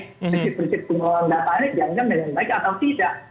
prinsip prinsip pengelolaan data ini jangankan dengan baik atau tidak